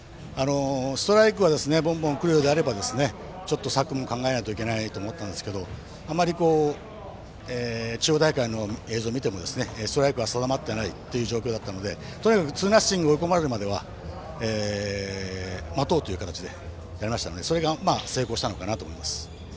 ストライクがぼんぼん来るようであれば策も考えないといけないと思ったんですけどあまり、地方大会の映像を見てもストライクが定まっていない状況でしたので、とにかくツーナッシングに追い込まれるまでは待とうという形でやったのでそれが成功したかなと思います。